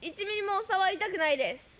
１ミリも触りたくないです。